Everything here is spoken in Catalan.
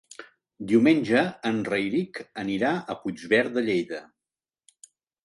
Diumenge en Rauric anirà a Puigverd de Lleida.